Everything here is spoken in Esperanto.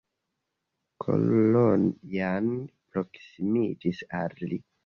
Kalojan proksimiĝis al li.